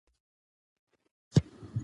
د جنګ له امله خلک د ژوند خوښۍ له لاسه ورکوي.